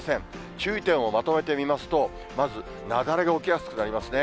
注意点をまとめてみますと、まず雪崩が起きやすくなりますね。